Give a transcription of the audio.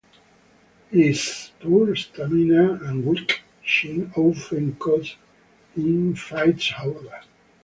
His poor stamina and weak chin often cost him fights, however.